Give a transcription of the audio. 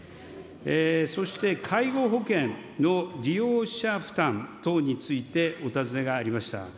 そして、介護保険の利用者負担等についてお尋ねがありました。